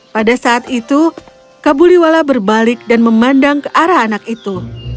pada saat itu kabuliwala berbalik dan memandang ke arah anak itu